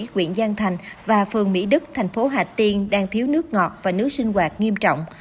quyện giang thành và phường mỹ đức thành phố hà tiên đang thiếu nước ngọt và nước sinh hoạt nghiêm trọng